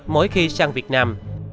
mỗi khi sang việt nam